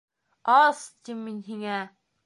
— Ас, тим мин һиңә!